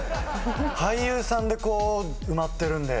俳優さんでこう埋まってるんで。